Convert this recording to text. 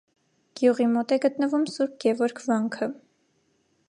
Գյուղի մոտ է գտնվում Ս. Գևորգ վանքը։